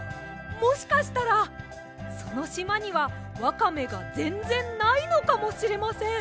もしかしたらそのしまにはわかめがぜんぜんないのかもしれません！